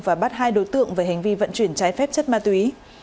và bắt hai đối tượng về hành vi vận chuyển trái phép chất ma túy